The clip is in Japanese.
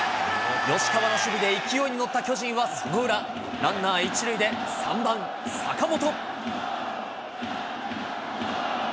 吉川の守備で勢いに乗った巨人は、その裏、ランナー１塁で３番坂本。